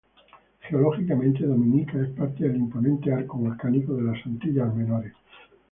Geológicamente, Dominica es parte del imponente arco volcánico de las Antillas Menores.